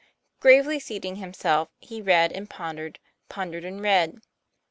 Gravely seating himself, he read and pon dered, pondered and read.